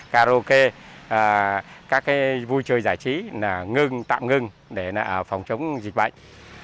karaoke các cái vui chơi giải trí là ngưng tạm ngưng để phòng chống dịch bệnh